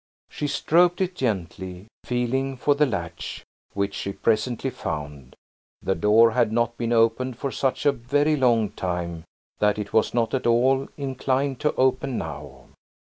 She stroked it gently, feeling for the latch, which she presently found. The door had not been opened for such a very, long time that it was not at all inclined to open now.